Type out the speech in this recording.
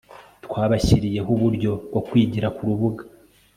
twabashyiriyeho uburyo bwo kwigira k'urubuga